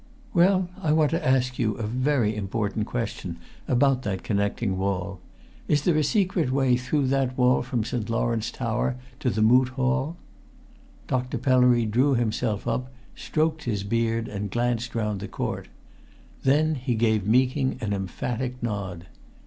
"Well, I want to ask you a very important question about that connecting wall. Is there a secret way through that wall from St. Lawrence tower to the Moot Hall?" Dr. Pellery drew himself up, stroked his beard, and glanced round the court. Then he gave Meeking an emphatic nod.